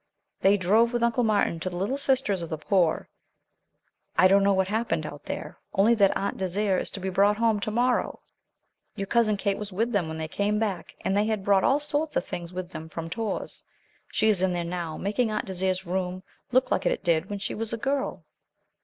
They drove with Uncle Martin to the Little Sisters of the Poor. I don't know what happened out there, only that Aunt Désiré is to be brought home to morrow. "Your Cousin Kate was with them when they came back, and they had brought all sorts of things with them from Tours. She is in there now, making Aunt Désiré's room look like it did when she was a girl."